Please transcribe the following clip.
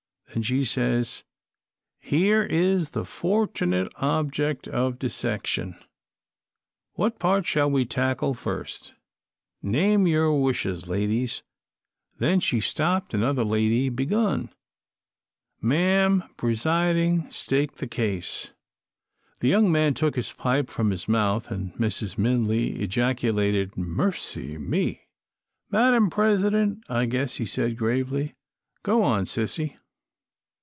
Then she says, 'Here is the 'fortinate object of dissection. What part shall we tackle fust? Name your wishes, ladies.' Then she stopped an' another lady begun, 'Mam pressiding, stake the case.'" The young man took his pipe from his mouth, and Mrs. Minley ejaculated, "Mercy me!" "Madam president, I guess," he said, gravely. "Go on, sissy."